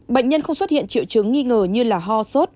bệnh nhân không xuất hiện triệu chứng nghi ngờ như ho sốt